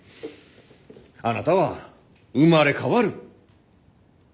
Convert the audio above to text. あなたは生まれ変わる！